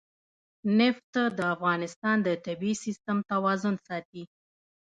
نفت د افغانستان د طبعي سیسټم توازن ساتي.